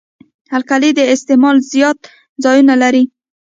القلي د استعمال زیات ځایونه لري.